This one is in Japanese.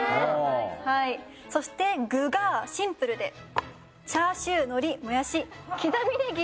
はいそして具がシンプルでチャーシューのりもやし刻みネギ。